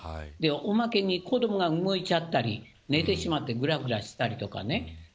おまけに子どもが動いちゃったり寝てしまってぐらぐらしたりとかね